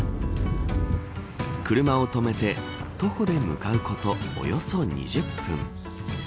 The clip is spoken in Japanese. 車を止めて、徒歩で向かうことおよそ２０分。